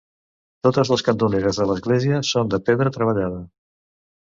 Totes les cantoneres de l'església són de pedra treballada.